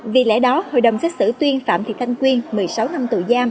vì lẽ đó hội đồng xét xử tuyên phạm thị thanh quyên một mươi sáu năm tù giam